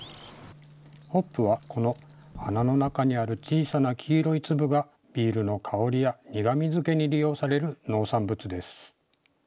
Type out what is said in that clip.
ホップは、この花の中にある小さな黄色い粒がビールの香りや苦み付けに利用される農産物です。